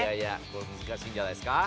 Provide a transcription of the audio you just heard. これ難しいんじゃないですか？